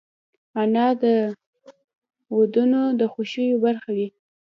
انا د ودونو د خوښیو برخه وي